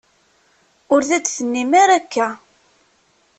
Ur d-tennim ara akka.